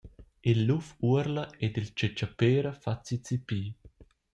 Il luf uorla ed il tschetschapera fa zizipi.